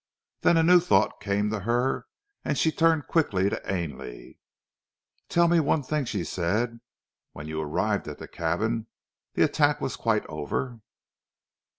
Then a new thought came to her, and she turned quickly to Ainley. "Tell me one thing," she said, "when you arrived at the cabin the attack was quite over?"